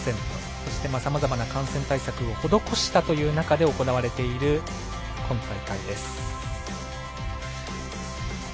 そして、さまざまな感染対策を施した中で行われている今大会です。